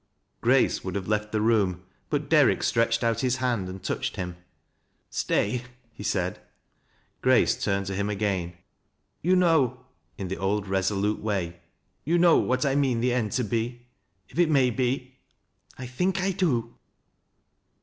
Grace would have left the room, but Derrick stretched out his hand and touched him. « Stay— " he said. Grace turned to him again. " You know "— in the old resolute way^ —" you know what I mean the end to be, if it may be ?"" I think I do."